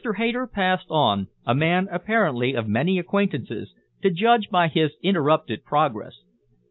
Hayter passed on, a man, apparently, of many acquaintances, to judge by his interrupted progress.